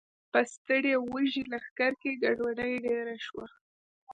په ستړي او وږي لښکر کې ګډوډي ډېره شوه.